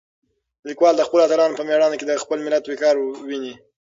لیکوال د خپلو اتلانو په مېړانه کې د خپل ملت وقار وینه.